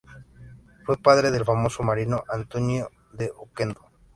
Fue padre del famoso marino Antonio de Oquendo.